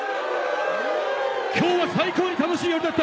今日は最高に楽しい夜だった！